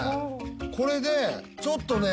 これでちょっとね